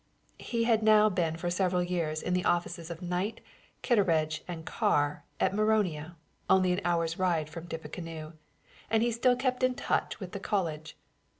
He had now been for several years in the offices of Knight, Kittredge and Carr at Mariona, only an hour's ride from Tippecanoe; and he still kept in touch with the college.